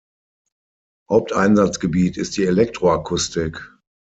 Haupteinsatzgebiet ist die Elektroakustik.